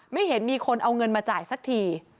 ไม่เห็นมีคนเอาเงินมาจ่ายสักที